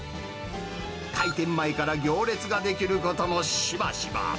開店前から行列が出来ることもしばしば。